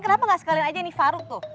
kenapa gak sekalian aja ini faruk tuh